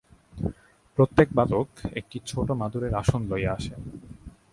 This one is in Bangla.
প্রত্যেক বালক একটি ছোট মাদুরের আসন লইয়া আসে।